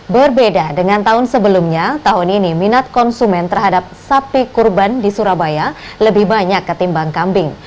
berbeda dengan tahun sebelumnya tahun ini minat konsumen terhadap sapi kurban di surabaya lebih banyak ketimbang kambing